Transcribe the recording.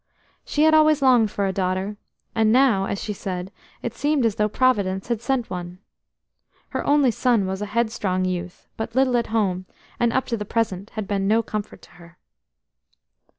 She had always longed for a daughter, and now, as she said, it seemed as though Providence had sent one. Her only son was a headstrong youth, but little at home, and up to the present had been no comfort to her.